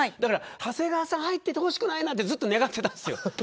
長谷川さん入っててほしくないなってずっと願ってたんですよ。